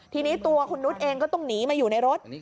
ทีนี้ตัวคุณนุษย์เองก็ต้องหนีมาอยู่ในรถ